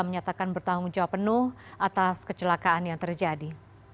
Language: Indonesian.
menyatakan bertanggung jawab penuh atas kecelakaan yang terjadi